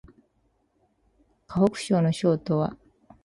河北省の省都は石家荘である